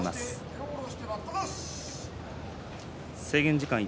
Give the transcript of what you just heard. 手を下ろして待ったなし。